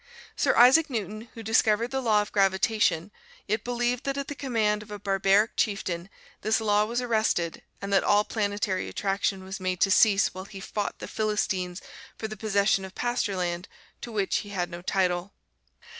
Sir Isaac Newton, who discovered the Law of Gravitation, yet believed that at the command of a barbaric chieftain, this Law was arrested, and that all planetary attraction was made to cease while he fought the Philistines for the possession of pasture land to which he had no title.